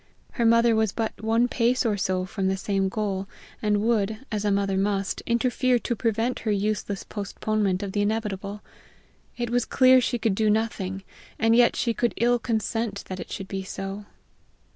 Her mother was but one pace or so from the same goal, and would, as a mother must, interfere to prevent her useless postponement of the inevitable. It was clear she could do nothing and yet she could ill consent that it should be so.